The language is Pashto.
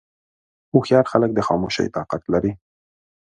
هوښیار خلک د خاموشۍ طاقت لري.